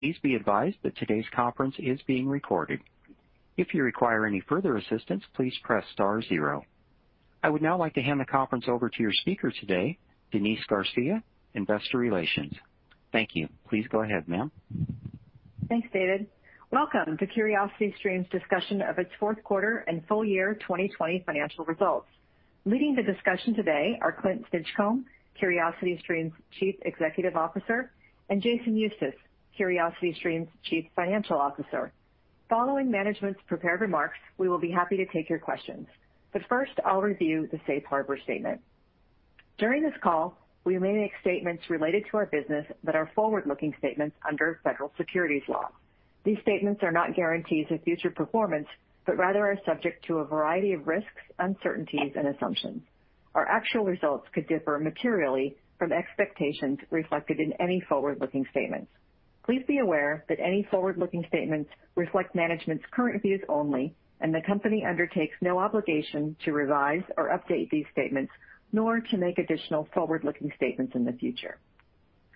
Please be advised that today's conference is being recorded. If you require any further assistance, please press star zero. I would now like to hand the conference over to your speaker today, Denise Garcia, Investor Relations. Thank you, please go ahead, ma'am. Thanks, David. Welcome to CuriosityStream's discussion of its fourth quarter and full year 2020 financial results. Leading the discussion today are Clint Stinchcomb, CuriosityStream's Chief Executive Officer, and Jason Eustace, CuriosityStream's Chief Financial Officer. Following management's prepared remarks, we will be happy to take your questions. First, I'll review the safe harbor statement. During this call, we may make statements related to our business that are forward-looking statements under federal securities law. These statements are not guarantees of future performance, but rather are subject to a variety of risks, uncertainties, and assumptions. Our actual results could differ materially from the expectations reflected in any forward-looking statements. Please be aware that any forward-looking statements reflect management's current views only, and the company undertakes no obligation to revise or update these statements, nor to make additional forward-looking statements in the future.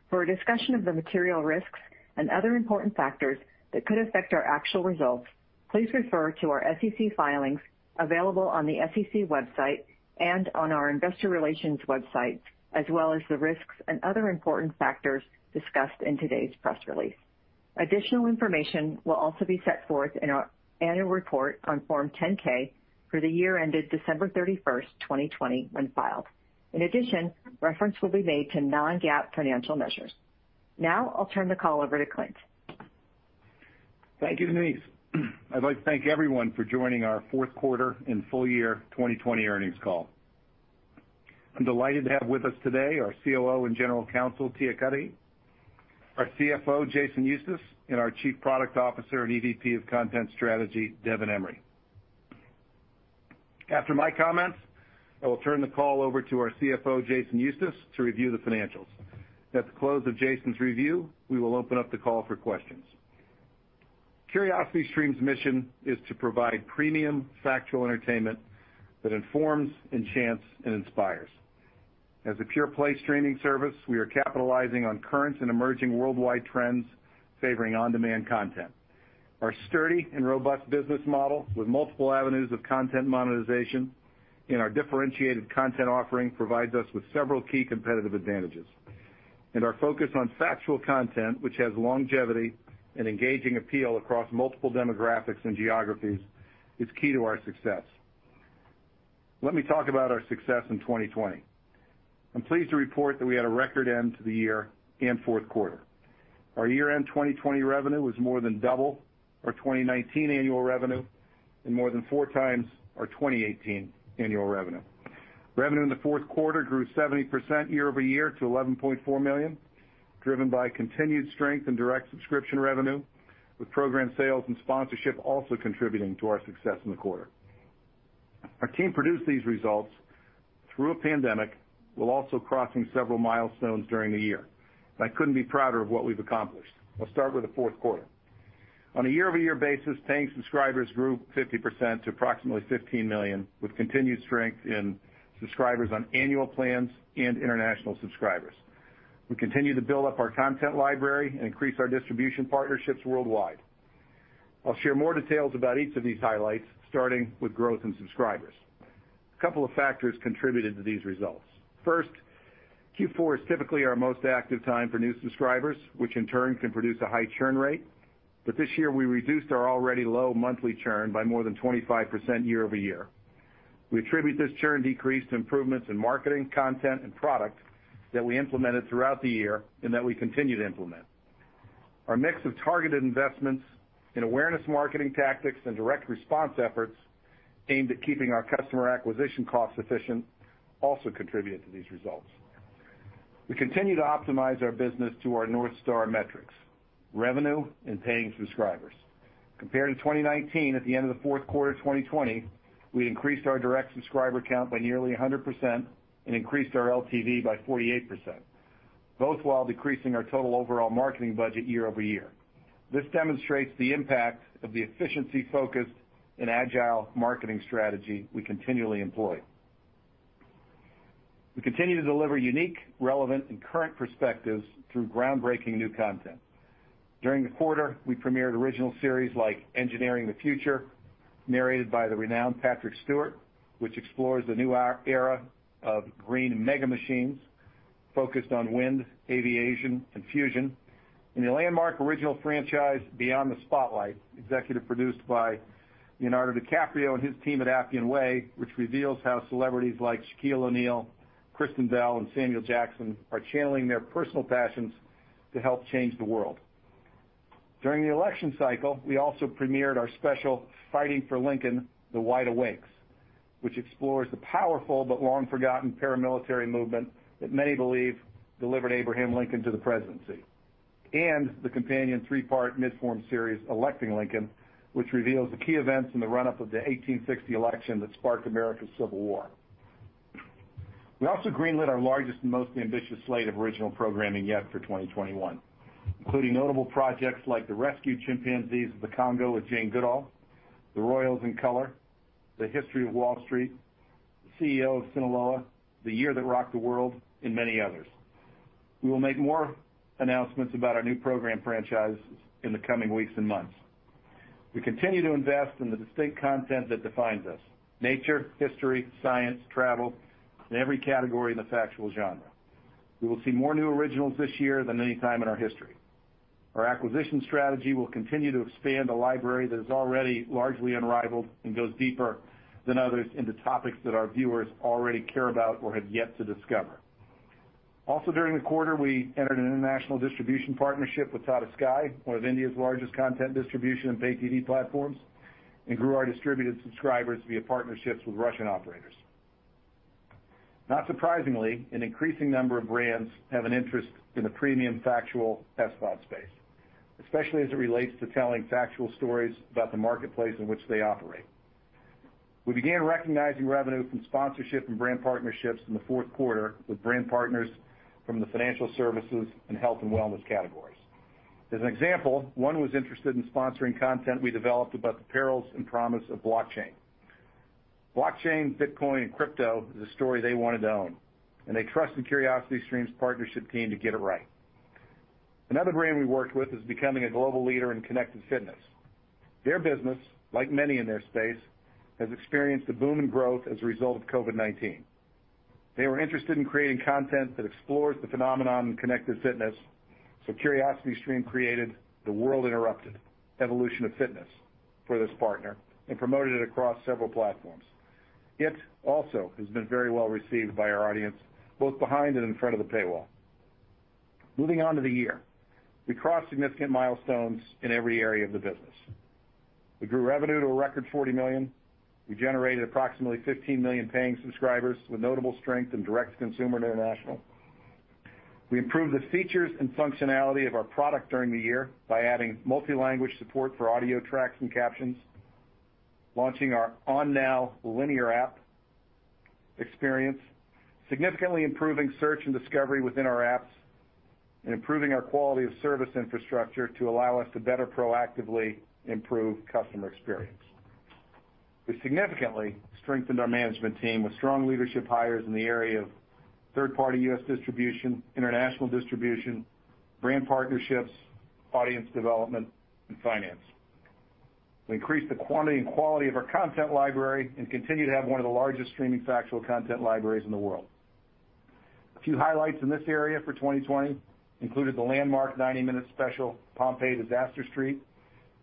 For a discussion of the material risks and other important factors that could affect our actual results, please refer to our SEC filings available on the SEC website and on our investor relations websites, as well as the risks and other important factors discussed in today's press release. Additional information will also be set forth in our annual report on Form 10-K for the year ended December 31st, 2020, when filed. In addition, reference will be made to non-GAAP financial measures. Now I'll turn the call over to Clint. Thank you, Denise. I'd like to thank everyone for joining our fourth quarter and full year 2020 earnings call. I'm delighted to have with us today our COO and General Counsel, Tia Cudahy, our CFO, Jason Eustace, and our Chief Product Officer and EVP of Content Strategy, Devin Emery. After my comments, I will turn the call over to our CFO, Jason Eustace, to review the financials. At the close of Jason's review, we will open up the call for questions. CuriosityStream's mission is to provide premium factual entertainment that informs, enchants, and inspires. As a pure play streaming service, we are capitalizing on current and emerging worldwide trends favoring on-demand content. Our sturdy and robust business model with multiple avenues of content monetization and our differentiated content offering provides us with several key competitive advantages, and our focus on factual content, which has longevity and engaging appeal across multiple demographics and geographies, is key to our success. Let me talk about our success in 2020. I'm pleased to report that we had a record end to the year and fourth quarter. Our year-end 2020 revenue was more than double our 2019 annual revenue, and more than four times our 2018 annual revenue. Revenue in the fourth quarter grew 70% year-over-year to $11.4 million, driven by continued strength in direct subscription revenue, with program sales and sponsorship also contributing to our success in the quarter. Our team produced these results through a pandemic, while also crossing several milestones during the year. I couldn't be prouder of what we've accomplished. I'll start with the fourth quarter. On a year-over-year basis, paying subscribers grew 50% to approximately 15 million, with continued strength in subscribers on annual plans and international subscribers. We continue to build up our content library and increase our distribution partnerships worldwide. I'll share more details about each of these highlights, starting with growth in subscribers. A couple of factors contributed to these results. First, Q4 is typically our most active time for new subscribers, which in turn can produce a high churn rate. This year, we reduced our already low monthly churn by more than 25% year-over-year. We attribute this churn decrease to improvements in marketing content and product that we implemented throughout the year and that we continue to implement. Our mix of targeted investments in awareness marketing tactics and direct response efforts aimed at keeping our customer acquisition cost efficient also contributed to these results. We continue to optimize our business to our North Star metrics, revenue, and paying subscribers. Compared to 2019, at the end of the fourth quarter 2020, we increased our direct subscriber count by nearly 100% and increased our LTV by 48%, both while decreasing our total overall marketing budget year-over-year. This demonstrates the impact of the efficiency-focused and agile marketing strategy we continually employ. We continue to deliver unique, relevant, and current perspectives through groundbreaking new content. During the quarter, we premiered original series like "Engineering the Future," narrated by the renowned Patrick Stewart, which explores the new era of green mega machines focused on wind, aviation, and fusion, and the landmark original franchise, "Beyond the Spotlight," executive produced by Leonardo DiCaprio and his team at Appian Way, which reveals how celebrities like Shaquille O'Neal, Kristen Bell, and Samuel Jackson are channeling their personal passions to help change the world. During the election cycle, we also premiered our special, "Fighting for Lincoln: The Wide Awakes," which explores the powerful but long-forgotten paramilitary movement that many believe delivered Abraham Lincoln to the presidency, and the companion three-part miniseries, "Electing Lincoln," which reveals the key events in the run-up to the 1860 election that sparked America's Civil War. We also greenlit our largest and most ambitious slate of original programming yet for 2021, including notable projects like "The Rescue: Chimpanzees of the Congo with Jane Goodall," "The Royals in Color," "The History of Wall Street," "The CEO of Sinaloa," "The Year That Rocked the World," and many others. We will make more announcements about our new program franchise in the coming weeks and months. We continue to invest in the distinct content that defines us. Nature, history, science, travel, and every category in the factual genre. We will see more new originals this year than at any time in our history. Our acquisition strategy will continue to expand a library that is already largely unrivaled and goes deeper than others into topics that our viewers already care about or have yet to discover. Also during the quarter, we entered an international distribution partnership with Tata Sky, one of India's largest content distribution and pay TV platforms, and grew our distributed subscribers via partnerships with Russian operators. Not surprisingly, an increasing number of brands have an interest in the premium factual SVOD space, especially as it relates to telling factual stories about the marketplace in which they operate. We began recognizing revenue from sponsorship and brand partnerships in the fourth quarter with brand partners from the financial services and health and wellness categories. As an example, one was interested in sponsoring content we developed about the perils and promise of blockchain. Blockchain, Bitcoin, and crypto are a story they wanted to own, and they trusted CuriosityStream's partnership team to get it right. Another brand we worked with is becoming a global leader in connected fitness. Their business, like many in their space, has experienced a boom in growth as a result of COVID-19. They were interested in creating content that explores the phenomenon in connected fitness, so CuriosityStream created "The World Interrupted: Evolution of Fitness" for this partner and promoted it across several platforms. It has also been very well received by our audience, both behind and in front of the paywall. Moving on to the year. We crossed significant milestones in every area of the business. We grew revenue to a record $40 million. We generated approximately 15 million paying subscribers with notable strength in direct-to-consumer and international. We improved the features and functionality of our product during the year by adding multi-language support for audio tracks and captions, launching our own linear app experience, significantly improving search and discovery within our apps, and improving our quality of service infrastructure to allow us to better proactively improve customer experience. We significantly strengthened our management team with strong leadership hires in the areas of third-party U.S. distribution, international distribution, brand partnerships, audience development, and finance. We increased the quantity and quality of our content library and continue to have one of the largest streaming factual content libraries in the world. A few highlights in this area for 2020 included the landmark 90-minute special, "Pompeii: Disaster Street,"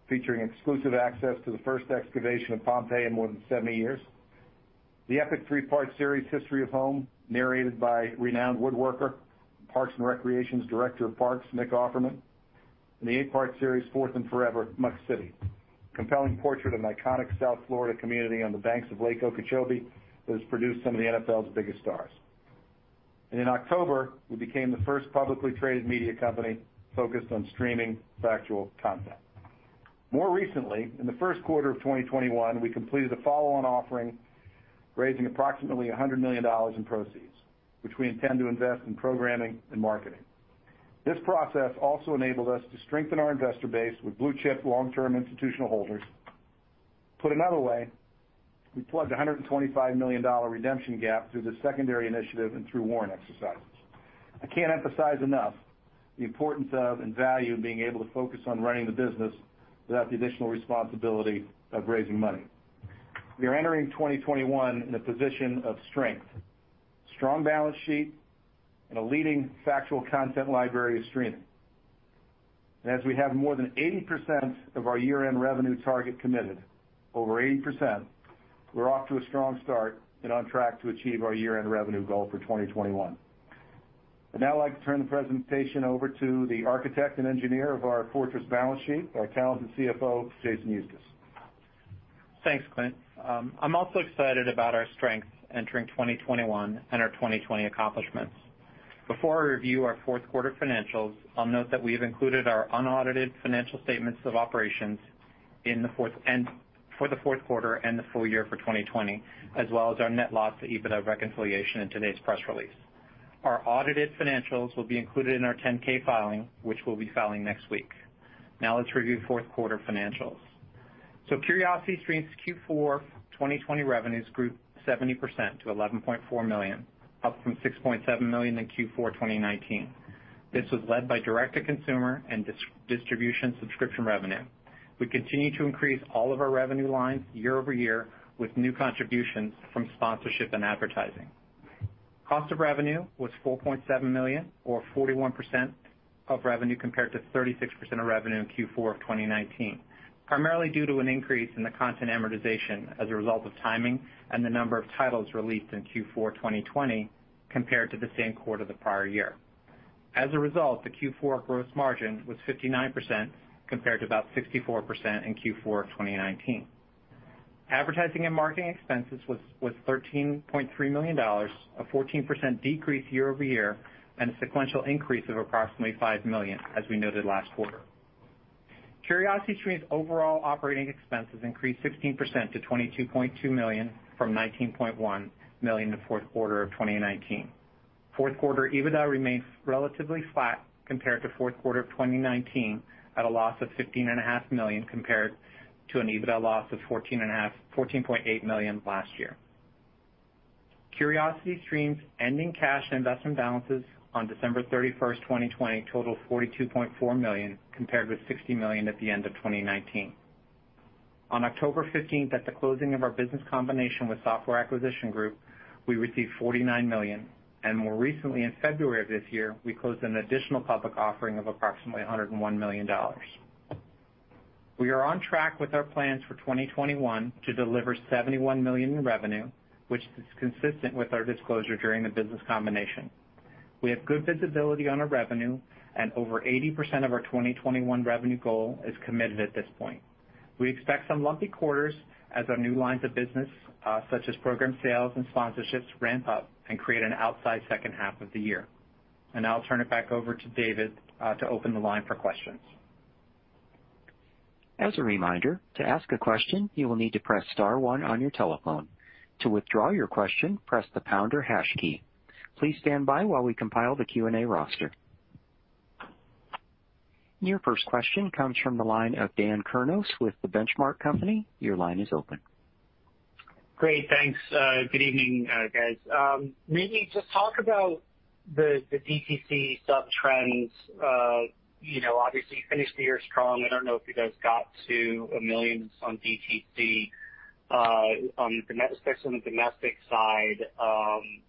featuring exclusive access to the first excavation of Pompeii in more than 70 years. The epic three-part series, "The History of Home," is narrated by renowned woodworker and Parks and Recreation director of parks, Nick Offerman. The eight-part series, "Fourth and Forever: Muck City," is a compelling portrait of an iconic South Florida community on the banks of Lake Okeechobee that has produced some of the NFL's biggest stars. In October, we became the first publicly traded media company focused on streaming factual content. More recently, in the first quarter of 2021, we completed a follow-on offering, raising approximately $100 million in proceeds, which we intend to invest in programming and marketing. This process also enabled us to strengthen our investor base with blue-chip long-term institutional holders. Put another way, we plugged a $125 million redemption gap through this secondary initiative and through warrant exercises. I can't emphasize enough the importance of and value in being able to focus on running the business without the additional responsibility of raising money. We are entering 2021 in a position of strength. Strong balance sheet, and a leading factual content library streaming. As we have more than 80% of our year-end revenue target committed, over 80%, we're off to a strong start and on track to achieve our year-end revenue goal for 2021. I'd now like to turn the presentation over to the architect and engineer of our fortress balance sheet, our talented CFO, Jason Eustace. Thanks, Clint. I'm also excited about our strength entering 2021 and our 2020 accomplishments. Before I review our fourth quarter financials, I'll note that we have included our unaudited financial statements of operations for the fourth quarter and the full year for 2020, as well as our net loss to EBITDA reconciliation in today's press release. Our audited financials will be included in our 10-K filing, which we'll be filing next week. Now let's review the fourth quarter financials. CuriosityStream's Q4 2020 revenues grew 70% to $11.4 million, up from $6.7 million in Q4 2019. This was led by direct-to-consumer and distribution subscription revenue. We continue to increase all of our revenue lines year-over-year with new contributions from sponsorship and advertising. Cost of revenue was $4.7 million or 41% of revenue compared to 36% of revenue in Q4 2019, primarily due to an increase in the content amortization as a result of timing and the number of titles released in Q4 2020 compared to the same quarter the prior year. As a result, the Q4 gross margin was 59% compared to about 64% in Q4 2019. Advertising and marketing expenses were $13.3 million, a 14% decrease year-over-year, and a sequential increase of approximately $5 million, as we noted last quarter. CuriosityStream's overall operating expenses increased 16% to $22.2 million from $19.1 million in the fourth quarter of 2019. Fourth quarter EBITDA remains relatively flat compared to fourth quarter 2019, at a loss of $15.5 million compared to an EBITDA loss of $14.8 million last year. CuriosityStream's ending cash and investment balances on December 31st, 2020, total $42.4 million, compared with $60 million at the end of 2019. On October 15th, at the closing of our business combination with Software Acquisition Group, we received $49 million, and more recently, in February of this year, we closed an additional public offering of approximately $101 million. We are on track with our plans for 2021 to deliver $71 million in revenue, which is consistent with our disclosure during the business combination. We have good visibility on our revenue, and over 80% of our 2021 revenue goal is committed at this point. We expect some lumpy quarters as our new lines of business, such as program sales and sponsorships, ramp up and create an outsized second half of the year. Now I'll turn it back over to David to open the line for questions. As a reminder, to ask a question, you will need to press star one on your telephone. To withdraw your question, press the pounder hash key. Please stand by while we compile the Q&A roster. Your first question comes from the line of Dan Kurnos with The Benchmark Company. Your line is open. Great. Thanks. Good evening, guys. Maybe just talk about the DTC sub-trends. Obviously, you finished the year strong. I don't know if you guys got to 1 million on DTC on the net, especially on the domestic side.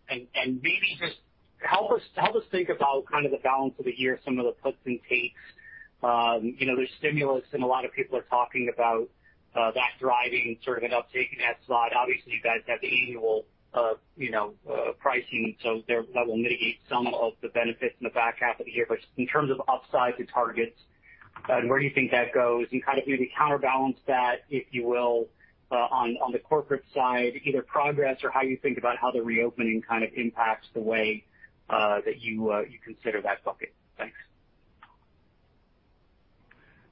Maybe just help us think about the balance of the year, some of the puts and takes. There's stimulus, and a lot of people are talking about that driving an uptake in ad spot. Obviously, you guys have annual pricing, so that will mitigate some of the benefits in the back half of the year. In terms of upside to targets and where you think that goes, and maybe counterbalance that, if you will, on the corporate side, either progress or how you think about how the reopening impacts the way that you consider that bucket. Thanks.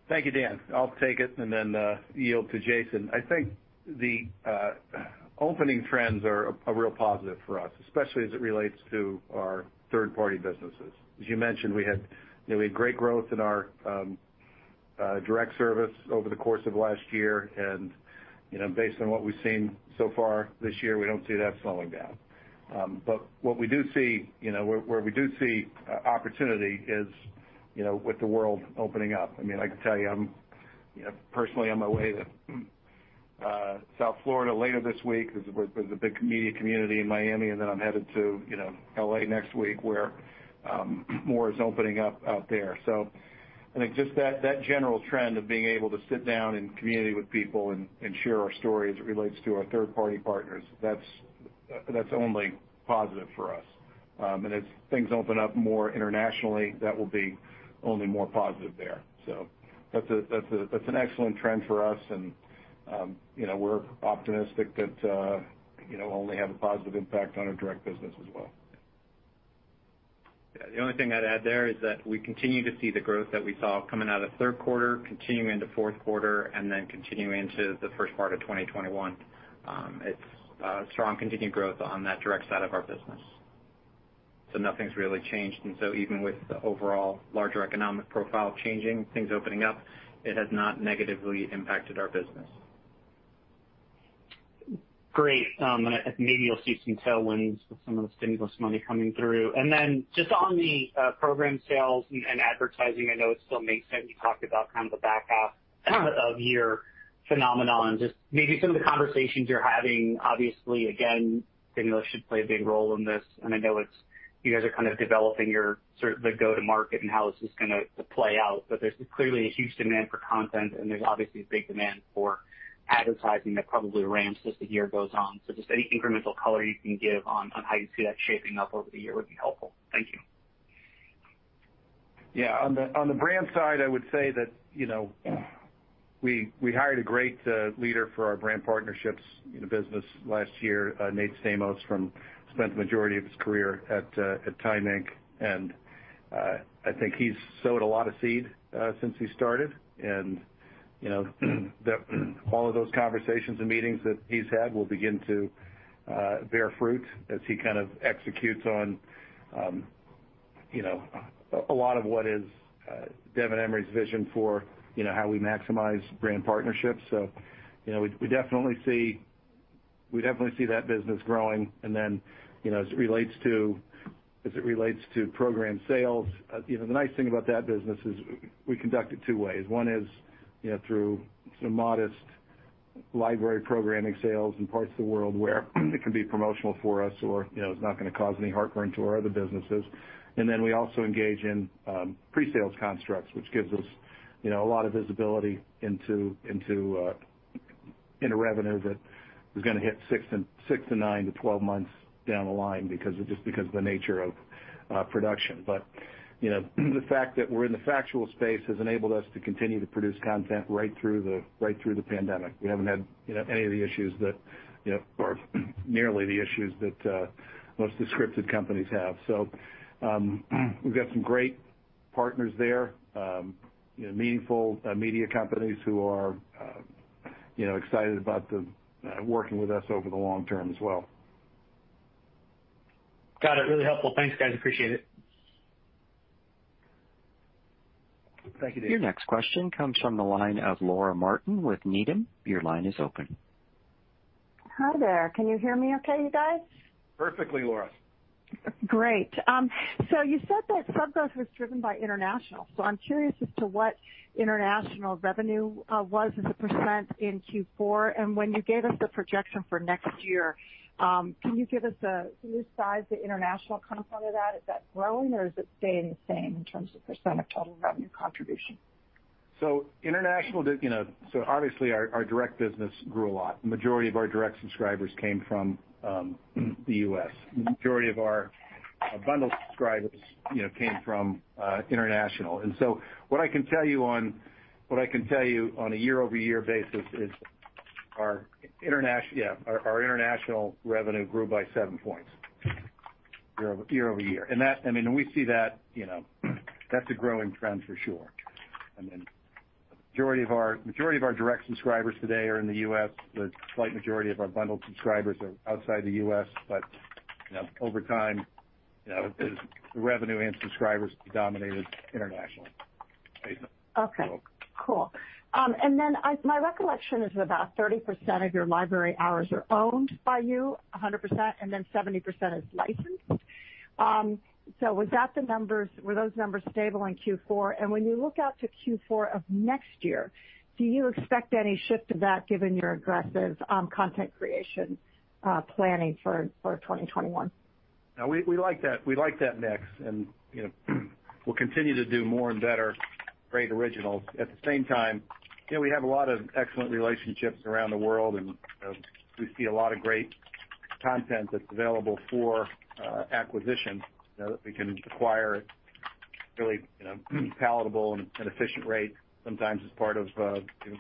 Thank you, Dan. I'll take it and then yield to Jason. I think the opening trends are a real positive for us, especially as it relates to our third-party businesses. As you mentioned, we had great growth in our direct service over the course of last year. Based on what we've seen so far this year, we don't see that slowing down. Where we do see opportunity is with the world opening up. I can tell you I'm personally on my way to South Florida later this week. There's a big media community in Miami, and then I'm headed to L.A. next week, where more is opening up out there. I think just that general trend of being able to sit down and community with people and share our story as it relates to our third-party partners, that's only positive for us. As things open up more internationally, that will be only more positive there. That's an excellent trend for us, and we're optimistic that it will only have a positive impact on our direct business as well. Yeah. The only thing I'd add there is that we continue to see the growth that we saw coming out of the third quarter, continuing into the fourth quarter, and then continuing into the first part of 2021. It's strong continued growth on that direct side of our business. Nothing's really changed. Even with the overall larger economic profile changing, things opening up, it has not negatively impacted our business. Great. Maybe you'll see some tailwinds with some of the stimulus money coming through. Then, just on the program sales and advertising, I know it still makes sense. You talked about the back half of the year phenomenon, just maybe some of the conversations you're having. Obviously, again, stimulus should play a big role in this, and I know you guys are developing your go-to-market and how this is going to play out. There's clearly a huge demand for content, and there's obviously a big demand for advertising that probably ramps as the year goes on. Just any incremental color you can give on how you see that shaping up over the year would be helpful. Thank you. Yeah. On the brand side, I would say that we hired a great leader for our brand partnerships in the business last year. Nate Stamos spent the majority of his career at Time Inc., I think he's sown a lot of seed since he started. All of those conversations and meetings that he's had will begin to bear fruit as he executes on a lot of what Devin Emery's vision is for how we maximize brand partnerships. We definitely see that business growing. Then, as it relates to program sales, the nice thing about that business is that we conduct it two ways. One is through some modest library programming sales in parts of the world where it can be promotional for us, or it's not going to cause any heartburn to our other businesses. We also engage in pre-sales constructs, which gives us a lot of visibility into revenue that is going to hit six to nine to 12 months down the line, just because of the nature of production. The fact that we're in the factual space has enabled us to continue to produce content right through the pandemic. We haven't had any of the issues that, or nearly the issues that, most scripted companies have. We've got some great partners there, meaningful media companies who are excited about working with us over the long term as well. Got it. Really helpful. Thanks, guys. Appreciate it. Thank you. Your next question comes from the line of Laura Martin with Needham. Your line is open. Hi there. Can you hear me okay, you guys? Perfectly, Laura. Great. You said that sub growth was driven by international, so I'm curious as to what international revenue was as a % in Q4. When you gave us the projection for next year, can you size the international component of that? Is that growing or is it staying the same in terms of % of total revenue contribution? Obviously, our direct business grew a lot. The majority of our direct subscribers came from the U.S. The majority of our bundled subscribers came from international. What I can tell you on a year-over-year basis is that our international revenue grew by seven points year-over-year. We see that's a growing trend for sure. The majority of our direct subscribers today are in the U.S. The slight majority of our bundled subscribers are outside the U.S., but over time, the revenue and subscribers will be dominated internationally, basically. Okay, cool. My recollection is that about 30% of your library hours are owned by you 100%, and 70% is licensed. Were those numbers stable in Q4? When you look out to Q4 of next year, do you expect any shift to that given your aggressive content creation planning for 2021? No, we like that mix, and we'll continue to do more and better great originals. At the same time, we have a lot of excellent relationships around the world, and we see a lot of great content that's available for acquisition that we can acquire at really palatable and efficient rates, sometimes as part of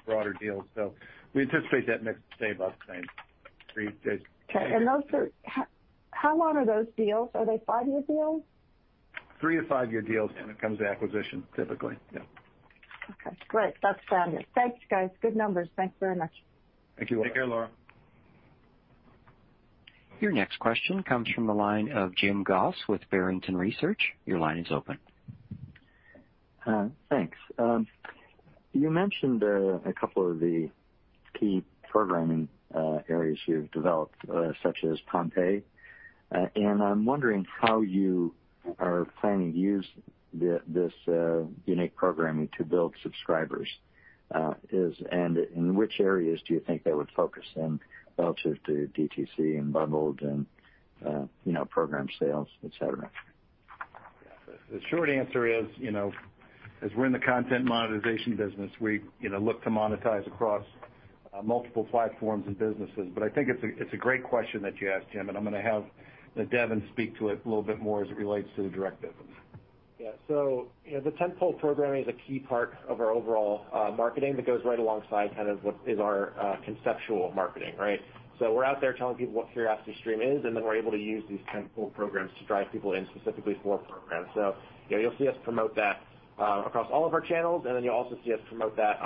broader deals. We anticipate that mix to stay about the same. Okay. How long are those deals? Are they five-year deals? Three- to five-year deals when it comes to acquisition, typically. Yeah. Okay, great. That's fabulous. Thanks, guys. Good numbers. Thanks very much. Thank you, Laura. Take care, Laura. Your next question comes from the line of Jim Goss with Barrington Research. Your line is open. Thanks. You mentioned a couple of the key programming areas you've developed, such as Pompeii. I'm wondering how you are planning to use this unique programming to build subscribers. In which areas do you think that would focus, then relative to DTC and bundled and program sales, et cetera? The short answer is, as we're in the content monetization business, we look to monetize across multiple platforms and businesses. I think it's a great question that you asked, Jim, and I'm going to have Devin speak to it a little bit more as it relates to the direct business. Yeah. The tentpole programming is a key part of our overall marketing that goes right alongside kind of what our conceptual marketing is, right? We're out there telling people what CuriosityStream is, and then we're able to use these tentpole programs to drive people in specifically for programs. You'll see us promote that across all of our channels, and then you'll also see us promote that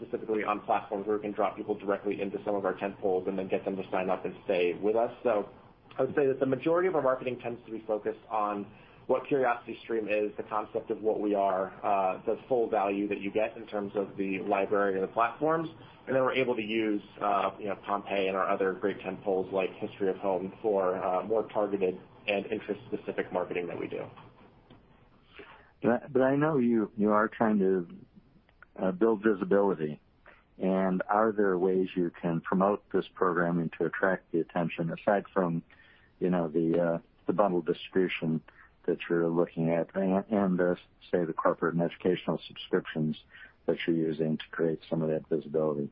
specifically on platforms where we can draw people directly into some of our tentpoles and then get them to sign up and stay with us. I would say that the majority of our marketing tends to be focused on what CuriosityStream is, the concept of what we are, the full value that you get in terms of the library and the platforms, and then we're able to use Pompeii and our other great tentpoles like History of Home for more targeted and interest-specific marketing that we do. I know you are trying to build visibility. Are there ways you can promote this programming to attract attention aside from the bundle distribution that you're looking at and, say, the corporate and educational subscriptions that you're using to create some of that visibility?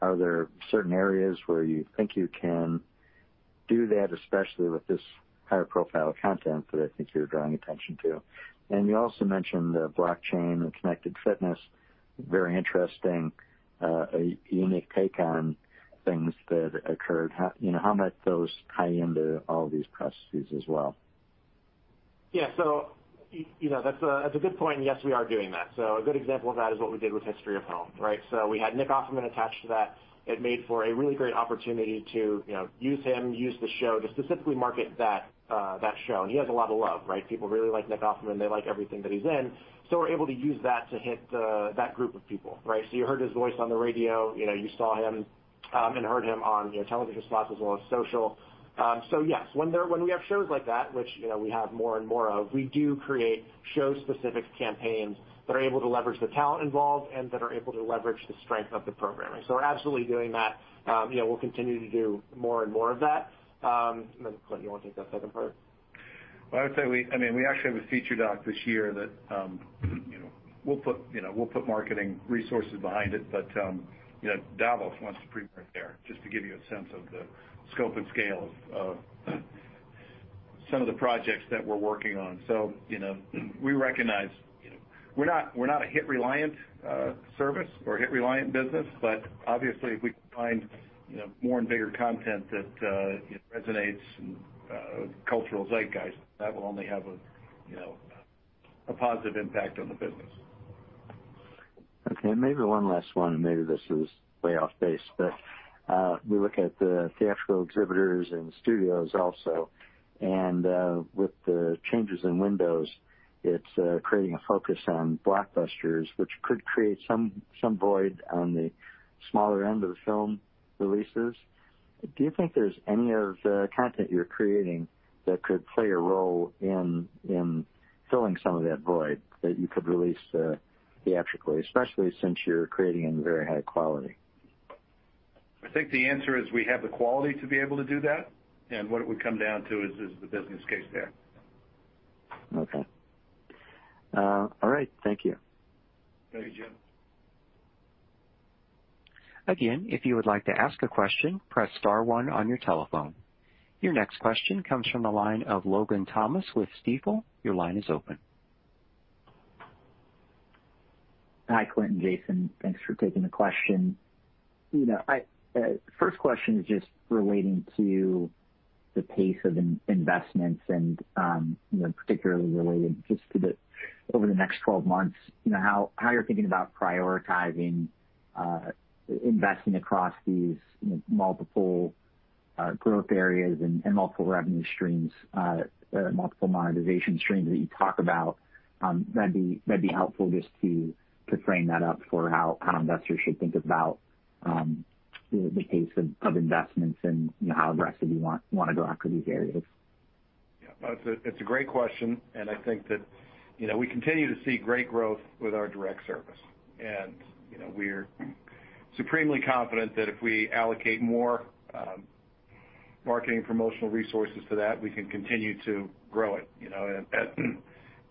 Are there certain areas where you think you can do that, especially with this higher-profile content that I think you're drawing attention to? You also mentioned the blockchain and connected fitness, very interesting, a unique take on things that occurred. How might those tie into all these processes as well? That's a good point, and yes, we are doing that. A good example of that is what we did with History of Home, right? We had Nick Offerman attached to that. It made for a really great opportunity to use him, use the show to specifically market that show. He has a lot of love, right? People really like Nick Offerman. They like everything that he's in. We're able to use that to hit that group of people, right? You heard his voice on the radio, you saw him and heard him on television spots, as well as on social media. Yes, when we have shows like that, which we have more and more of, we do create show-specific campaigns that are able to leverage the talent involved and that are able to leverage the strength of the programming. We're absolutely doing that. We'll continue to do more and more of that. Clint, you want to take that second part? Well, I would say we actually have a feature doc this year that we'll put marketing resources behind it, but Davos wants to premiere it there. Just to give you a sense of the scope and scale of some of the projects that we're working on. We recognize we're not a hit-reliant service or hit-reliant business, but obviously, if we can find more and bigger content that resonates with the cultural zeitgeist, that will only have a positive impact on the business. Okay. Maybe one last one, and maybe this is way off base, but we look at the theatrical exhibitors and studios also, and with the changes in windows, it's creating a focus on blockbusters, which could create some void on the smaller end of the film releases. Do you think there's any of the content you're creating that could play a role in filling some of that void that you could release theatrically, especially since you're creating in very high quality? I think the answer is we have the quality to be able to do that, and what it would come down to is the business case there. Okay. All right. Thank you. Thank you, Jim. Again, if you would like to ask a question, press star one on your telephone. Your next question comes from the line of Logan Thomas with Stifel. Your line is open. Hi, Clint and Jason. Thanks for taking the question. First question is just relating to the pace of investments and particularly related just to the over the next 12 months, how you're thinking about prioritizing investing across these multiple growth areas and multiple revenue streams, multiple monetization streams that you talk about. That'd be helpful just to frame that up for how investors should think about the pace of investments and how aggressive you want to go after these areas. Yeah. It's a great question. I think that we continue to see great growth with our direct service. We're supremely confident that if we allocate more marketing and promotional resources to that, we can continue to grow it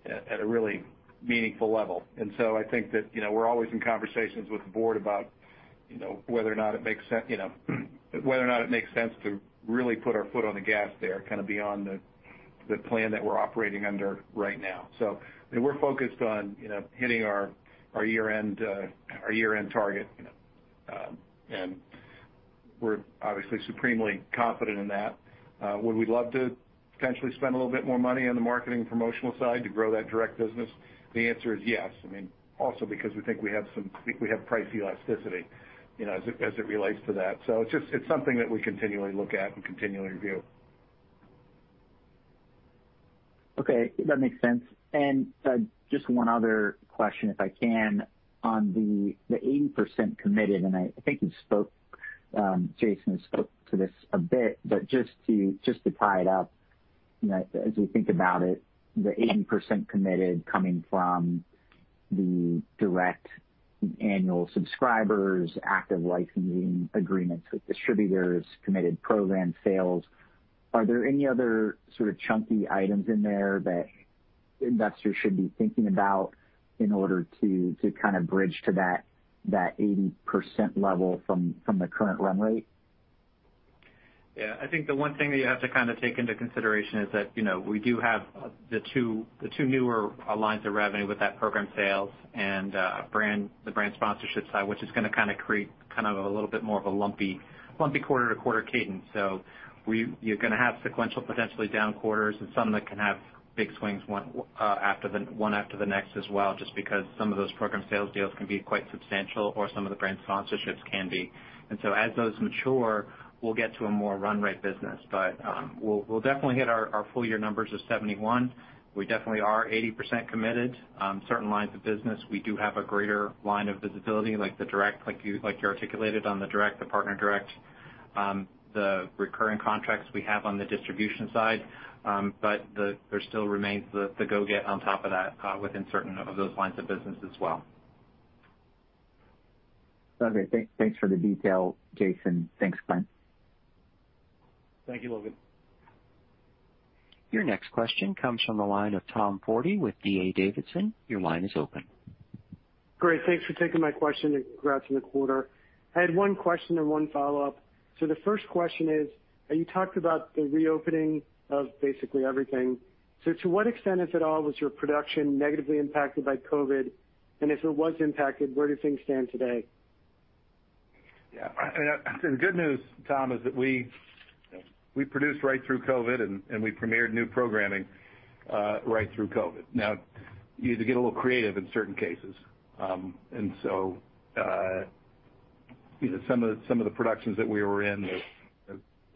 at a really meaningful level. I think that we're always in conversations with the board about whether or not it makes sense to really put our foot on the gas there, kind of beyond the plan that we're operating under right now. We're focused on hitting our year-end target, and we're obviously supremely confident in that. Would we love to potentially spend a little bit more money on the marketing and promotional side to grow that direct business? The answer is yes. Also, because we think we have price elasticity as it relates to that. It's something that we continually look at and continually review. Okay. That makes sense. Just one other question, if I can, on the 80% committed, I think Jason spoke to this a bit, but just to tie it up, as we think about it, the 80% committed comes from the direct annual subscribers, active licensing agreements with distributors, and committed program sales. Are there any other sorts of chunky items in there that investors should be thinking about in order to kind of bridge to that 80% level from the current run-rate? Yeah. I think the one thing that you have to take into consideration is that we do have the two newer lines of revenue with that program sales and the brand sponsorship side, which is going to create a little bit more of a lumpy quarter-to-quarter cadence. You're going to have sequential, potentially down quarters and some that can have big swings one after the next as well, just because some of those program sales deals can be quite substantial or some of the brand sponsorships can be. As those mature, we'll get to a more run-rate business. We'll definitely hit our full-year numbers of 71. We definitely are 80% committed. Certain lines of business, we do have a greater line of visibility, like you articulated on the direct, the partner direct, the recurring contracts we have on the distribution side. There still remains the need to get on top of that within certain lines of business as well. Okay. Thanks for the detail, Jason. Thanks, Clint. Thank you, Logan. Your next question comes from the line of Tom Forte with D.A. Davidson. Your line is open. Great. Thanks for taking my question, congrats on the quarter. I had one question and one follow-up. The first question is, you talked about the reopening of basically everything. To what extent, if at all, was your production negatively impacted by COVID? If it was impacted, where do things stand today? Yeah. The good news, Tom, is that we produced right through COVID, and we premiered new programming right through COVID. Now, you had to get a little creative in certain cases. Some of the productions that we were in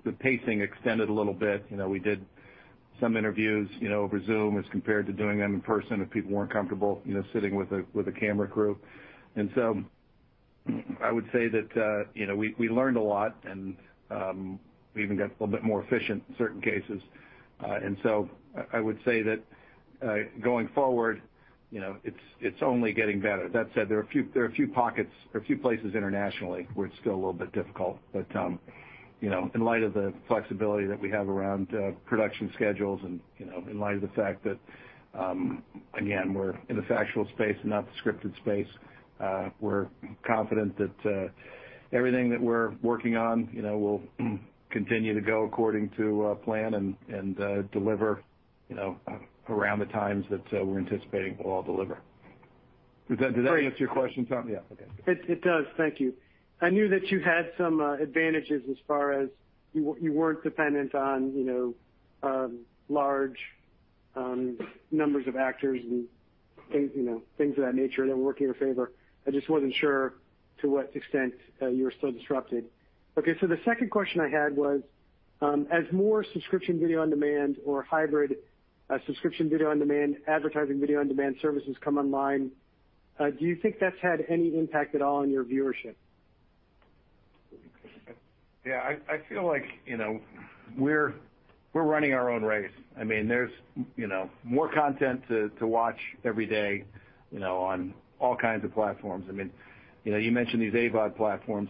the pacing extended a little bit. We did some interviews over Zoom, as compared to doing them in person, if people weren't comfortable sitting with a camera crew. I would say that we learned a lot, and we even got a little bit more efficient in certain cases. I would say that going forward, it's only getting better. That said, there are a few pockets or places internationally where it's still a little bit difficult. In light of the flexibility that we have around production schedules and in light of the fact that again, we're in the factual space and not the scripted space, we're confident that everything that we're working on will continue to go according to plan and deliver around the times that we're anticipating we'll all deliver. Does that answer your question, Tom? Yeah, okay. It does. Thank you. I knew that you had some advantages, as far as you weren't dependent on large numbers of actors and things of that nature that were working in your favor. I just wasn't sure to what extent you were still disrupted. Okay, the second question I had was, as more subscription video on demand or hybrid subscription video on demand, advertising video on demand services come online, do you think that's had any impact at all on your viewership? Yeah, I feel like we're running our own race. There's more content to watch every day on all kinds of platforms. You mentioned these AVOD platforms.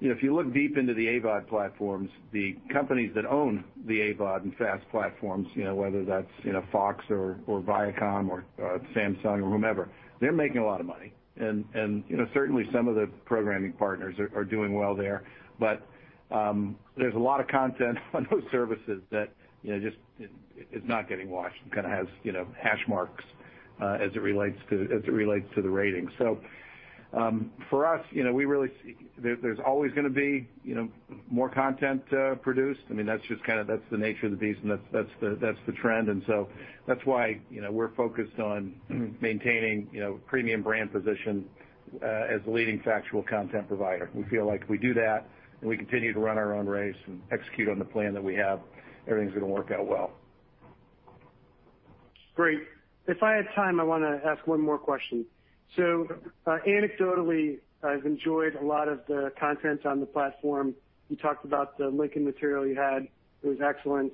If you look deep into the AVOD platforms, the companies that own the AVOD and FAST platforms, whether that's Fox, Paramount, Samsung or whoever, they're making a lot of money, and certainly some of the programming partners are doing well there. There's a lot of content on those services that just is not getting watched and kind of has hash marks as it relates to the ratings. For us, there's always going to be more content produced. That's the nature of the beast, and that's the trend. That's why we're focused on maintaining a premium brand position as the leading factual content provider. We feel like if we do that, and we continue to run our own race and execute on the plan that we have, everything's going to work out well. Great. If I had time, I would ask one more question. Anecdotally, I've enjoyed a lot of the content on the platform. You talked about the Lincoln material you had. It was excellent.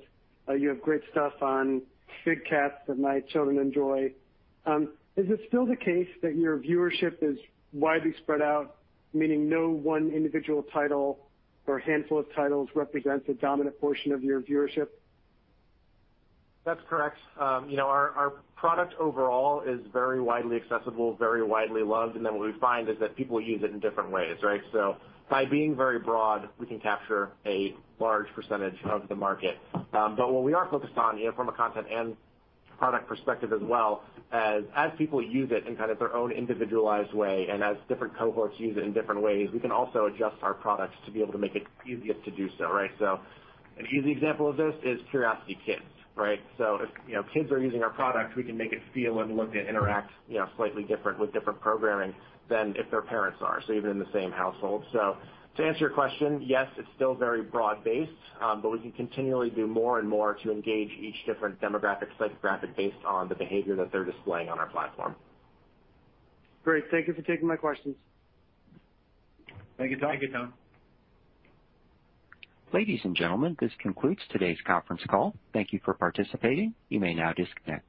You have great stuff on big cats that my children enjoy. Is it still the case that your viewership is widely spread out, meaning no one individual title or handful of titles represents a dominant portion of your viewership? That's correct. Our product overall is very widely accessible, very widely loved. What we find is that people use it in different ways, right? By being very broad, we can capture a large percentage of the market. What we are focused on from a content and product perspective, as well as people use it in kind of their own individualized way, and as different cohorts use it in different ways, we can also adjust our products to be able to make it easiest to do so, right? An easy example of this is Curiosity Kids, right? If kids are using our product, we can make it feel, look, and interact slightly differently with different programming than if their parents are. Even in the same household. To answer your question, yes, it's still very broad-based, but we can continually do more and more to engage each different demographic, psychographic, based on the behavior that they're displaying on our platform. Great. Thank you for taking my questions. Thank you, Tom. Thank you, Tom. Ladies and gentlemen, this concludes today's conference call. Thank you for participating. You may now disconnect.